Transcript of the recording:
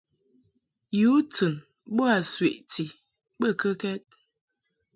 Yu tɨn boa sweʼti bə kəkɛd ?